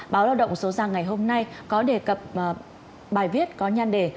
báo lao động số ra ngày hôm nay có đề cập bài viết có nhan đề